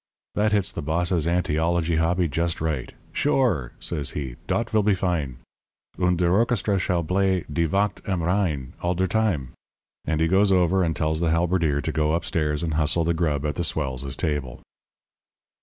"That hits the boss's antiology hobby just right. 'Sure,' says he, 'dot vill be fine. Und der orchestra shall blay "Die Wacht am Rhein" all der time.' And he goes over and tells the halberdier to go upstairs and hustle the grub at the swells' table.